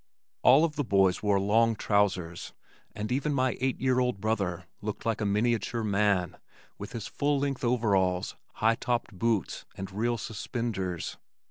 All of the boys wore long trousers, and even my eight year old brother looked like a miniature man with his full length overalls, high topped boots and real suspenders.